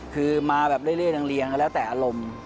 คือมาแบบเรื่อยเรียงก็แล้วแต่อารมณ์